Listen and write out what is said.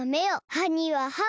はにははを。